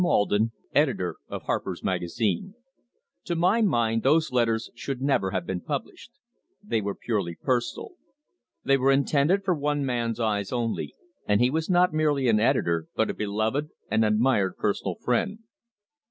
Alden, editor of Harper's Magazine. To my mind those letters should never have been published. They were purely personal. They were intended for one man's eyes only, and he was not merely an editor but a beloved and admired personal friend.